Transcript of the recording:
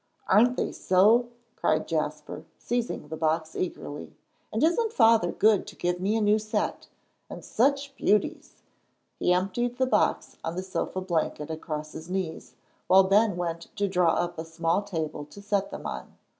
"Aren't they so?" cried Jasper, seizing the box eagerly. "And isn't Father good to give me a new set? And such beauties!" He emptied the box on the sofa blanket across his knees, while Ben went to draw up a small table to set them on.